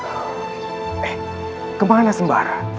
eh kemana sembarang